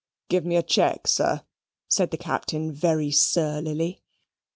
"Give me a cheque, sir," said the Captain very surlily.